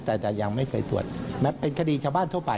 แต่จะยังไม่เคยตรวจแม้เป็นคดีชาวบ้านทั่วไป